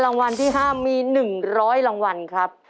รางวัลที่๕มี๑๐๐รางวัลครับ